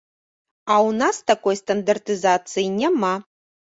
А ў нас такой стандартызацыі няма.